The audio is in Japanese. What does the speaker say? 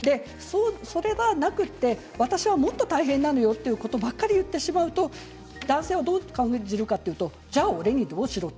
それがなくて私はもっと大変なのよということばかり言ってしまうと男性がどう感じるかというとじゃあ俺にどうしろと？